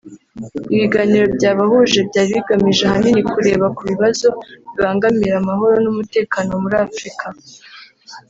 ibiganiro byabahuje byari bigamije ahanini kureba ku bibazo bibangamira amahoro n’umutekano muri Afurika